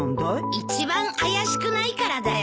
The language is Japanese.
一番怪しくないからだよ。